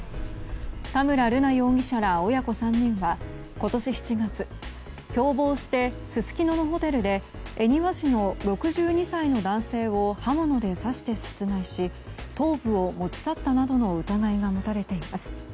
田村瑠奈容疑者ら親子３人は今年７月、共謀してすすきののホテルで恵庭市の６２歳の男性を刃物で刺して殺害し頭部を持ち去ったなどの疑いが持たれています。